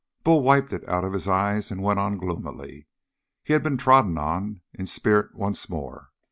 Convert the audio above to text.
Bull wiped it out of his eyes and went on gloomily. He had been trodden upon in spirit once more.